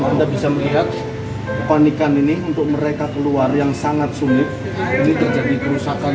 kita bisa melihat kepanikan ini untuk mereka keluar yang sangat sulit ini terjadi kerusakan